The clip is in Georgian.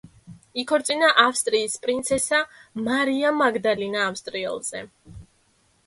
იქორწინა ავსტრიის პრინცესა მარია მაგდალინა ავსტრიელზე.